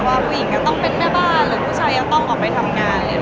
ก็มีนะคะเขาก็มีพุนฟุตพุนฟุตบ้าง